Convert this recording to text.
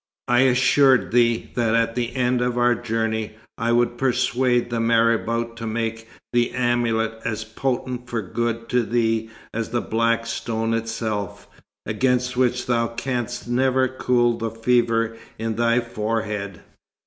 I assured thee that at the end of our journey I would persuade the marabout to make the amulet as potent for good to thee as the Black Stone itself, against which thou canst never cool the fever in thy forehead.